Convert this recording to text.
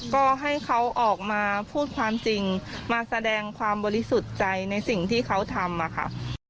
ก็ให้เขาออกมาพูดความจริงมาแสดงความบริสุทธิ์ใจในสิ่งที่เขาทำค่ะ